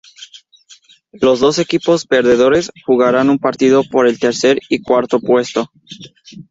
Los dos equipos perdedores jugarán un partido por el tercer y cuarto puesto.